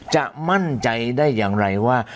จะมั่นใจได้อย่างไรว่า